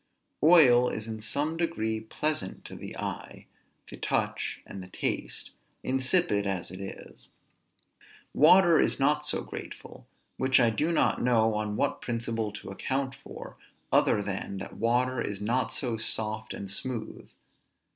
Oil is in some degree pleasant to the eye, the touch, and the taste, insipid as it is. Water is not so grateful; which I do not know on what principle to account for, other than that water is not so soft and smooth.